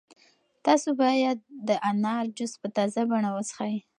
تاسو باید د انار جوس په تازه بڼه وڅښئ.